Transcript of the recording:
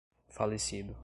falecido